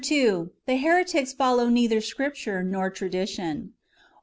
— The heretics follow neither Scripture nor tradition.